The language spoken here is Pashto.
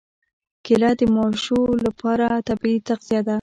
کېله د ماشو لپاره طبیعي تغذیه ده.